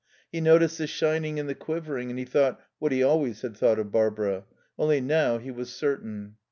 He noticed the shining and the quivering, and he thought what he always had thought of Barbara. Only now he was certain.